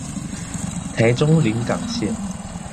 臺中臨港線